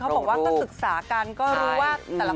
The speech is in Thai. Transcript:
ก็อยากเป็นอยู่อะไรอะไร